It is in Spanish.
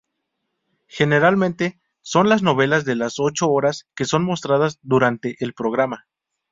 Generalmente son las novelas de las ocho horas que son mostradas durante el programa.